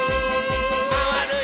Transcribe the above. まわるよ。